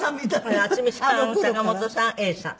これ渥美さん坂本さん永さん。